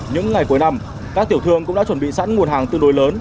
những ngày cuối năm các tiểu thương cũng đã chuẩn bị sẵn nguồn hàng tương đối lớn